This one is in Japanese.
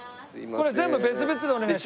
これ全部別々でお願いします。